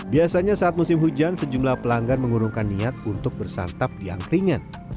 biasanya saat musim hujan sejumlah pelanggan mengurungkan niat untuk bersantap di angkringan